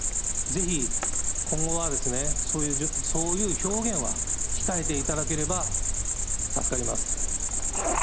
ぜひ今後は、そういう表現は控えていただければ助かります。